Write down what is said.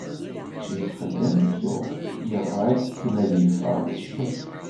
Ccrif Xeddam tuɣ yeɣra akken ad d-yeffeɣ d ccix.